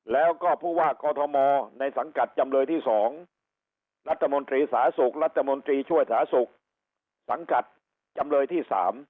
แล้วก็ผู้ว่ากอทมในสังกัดจำเลยที่๒รัฐมนตรีสาธารณสุขรัฐมนตรีช่วยสาธารณสุขสังกัดจำเลยที่๓